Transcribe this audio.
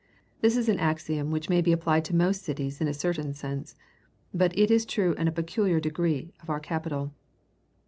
This is an axiom which may be applied to most cities in a certain sense, but it is true in a peculiar degree of our capital.